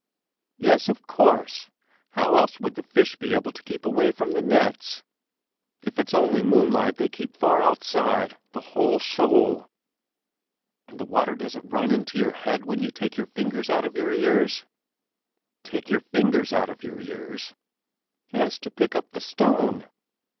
"Yes, of course! How else would the fish be able to keep away from the nets? If it's only moonlight, they keep far outside, the whole shoal!" "And the water doesn't run into your head when you take your fingers out of your ears?" "Take your fingers out of your ears?" "Yes, to pick up the stone."